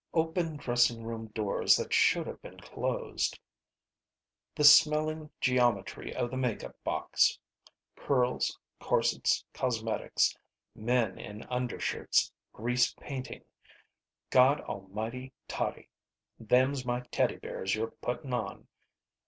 Open dressing room doors that should have been closed. The smelling geometry of the make up box. Curls. Corsets. Cosmetics. Men in undershirts, grease painting. "Gawdalmighty, Tottie, them's my teddy bears you're puttin' on."